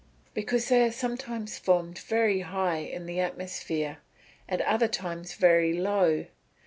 _ Because they are sometimes formed very high in the atmosphere, at other times very low.